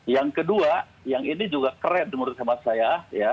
yang kedua yang ini juga keren menurut hemat saya